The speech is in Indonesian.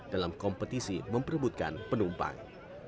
dalam kompetisi memperebutkan penumpang